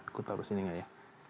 aku tahu sini nggak ya